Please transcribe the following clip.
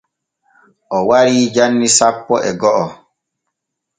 O warii janni sappo e go’o.